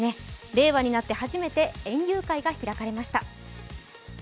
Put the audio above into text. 令和になって初めて園遊会が開かれました。